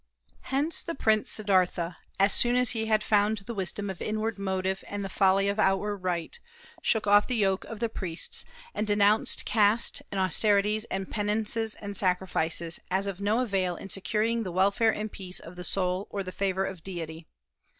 Hence the prince Siddârtha, as soon as he had found the wisdom of inward motive and the folly of outward rite, shook off the yoke of the priests, and denounced caste and austerities and penances and sacrifices as of no avail in securing the welfare and peace of the soul or the favor of deity.